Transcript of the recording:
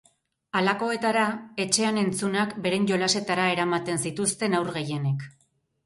Halakoetara, etxean entzunak beren jolasetara eramaten zituzten haur gehienek.